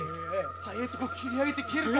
早いとこ切り上げて帰るか。